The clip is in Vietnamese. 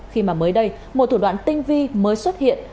khi mà mới đây một thủ đoạn tinh vi mới xuất hiện